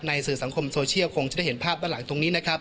สื่อสังคมโซเชียลคงจะได้เห็นภาพด้านหลังตรงนี้นะครับ